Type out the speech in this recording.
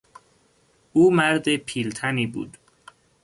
او مرد پیلتنی بود.